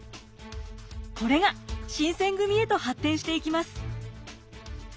これが新選組へと発展していきます。